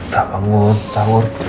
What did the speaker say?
sa bangun saur